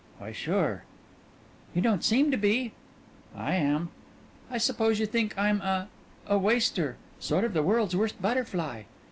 "Why, sure." "You don't seem to be." "I am." "I suppose you think I'm a a waster. Sort of the World's Worst Butterfly."